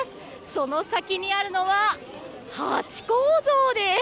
その先にあるのはハチ公像です。